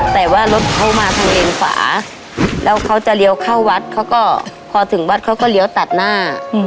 แต่ว่ารถเขามาทางเลนขวาแล้วเขาจะเลี้ยวเข้าวัดเขาก็พอถึงวัดเขาก็เลี้ยวตัดหน้า